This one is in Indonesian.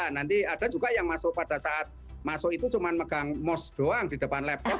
nanti ada juga yang masuk pada saat masuk itu cuma megang mos doang di depan laptop